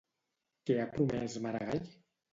Què ha promès Maragall?